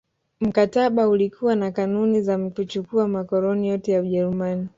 Mkataba ulikuwa na kanuni za kuchukua makoloni yote ya Ujerumani